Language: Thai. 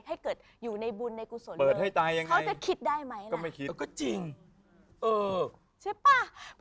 ให้เกิดอยู่ในบุญในกุศลเดิม